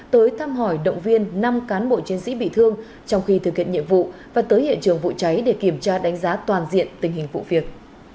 tới thăm hỏi động viên năm cán bộ chiến sĩ bị thương trong khi thực hiện nhiệm vụ và tới hiện trường vụ cháy để kiểm tra đánh giá toàn diện tình hình vụ việc